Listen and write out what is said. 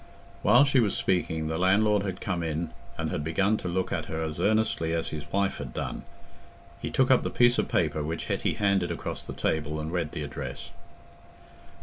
While she was speaking, the landlord had come in and had begun to look at her as earnestly as his wife had done. He took up the piece of paper which Hetty handed across the table, and read the address.